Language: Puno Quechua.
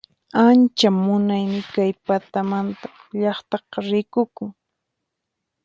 Ancha munaymi kay patamanta llaqtaqa rikukun